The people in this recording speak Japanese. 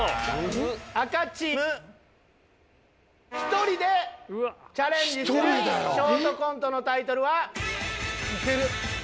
赤チーム１人でチャレンジするショートコントのタイトルは。